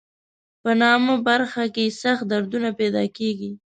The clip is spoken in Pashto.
په نامه برخه کې سخت دردونه پیدا کېږي.